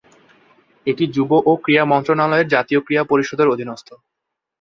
এটি যুব ও ক্রীড়া মন্ত্রণালয়ের জাতীয় ক্রীড়া পরিষদের অধীনস্থ।